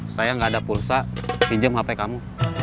saya nggak ada pulsa pinjam hp kamu